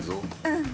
うん